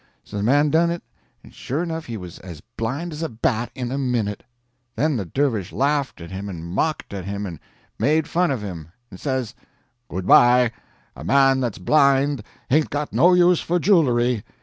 So the man done it, and sure enough he was as blind as a bat in a minute. Then the dervish laughed at him and mocked at him and made fun of him; and says: "Good bye—a man that's blind hain't got no use for jewelry."